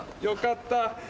よかった。